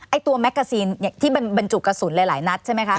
ไอ้ตัวแม็กเกอร์ซีนที่บรรจุกระสุนหลายนัดใช่ไหมคะ